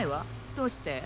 どうして？